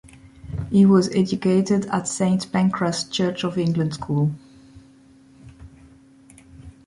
He was educated at Saint Pancras Church of England School.